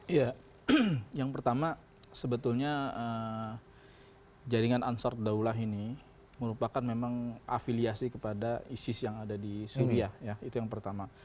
iya yang pertama sebetulnya jaringan ansort daulah ini merupakan memang afiliasi kepada isis yang ada di syria ya itu yang pertama